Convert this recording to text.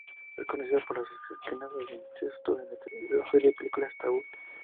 Es conocida por las escenas de incesto de la serie de películas Taboo.